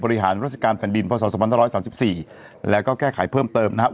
ราชการแผ่นดินพศ๒๕๓๔แล้วก็แก้ไขเพิ่มเติมนะครับ